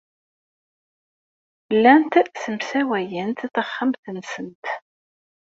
Llant ssemsawayent taxxamt-nsent.